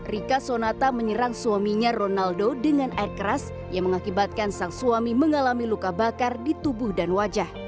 rika sonata menyerang suaminya ronaldo dengan air keras yang mengakibatkan sang suami mengalami luka bakar di tubuh dan wajah